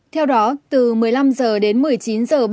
theo đó từ một mươi năm h đến một mươi chín h ba mươi